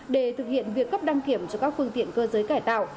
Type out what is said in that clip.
để thực hiện việc cấp đăng kiểm cho các phương tiện cơ giới cải tạo